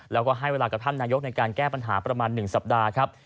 แล้วก็ให้เวลากับท่านนายกในการแก้ปัญหาประมาณ๑สัปดาห์ครับ